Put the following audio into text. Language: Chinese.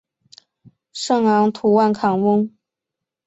圣昂图万坎翁。